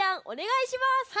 おねがいします。